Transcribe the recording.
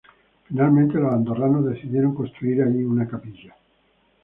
Finalmente, los andorranos decidieron construir ahí una capilla.